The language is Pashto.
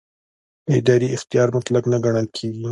اداري اختیار مطلق نه ګڼل کېږي.